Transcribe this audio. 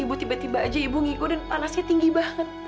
ibu tiba tiba aja ibu ngiku dan panasnya tinggi banget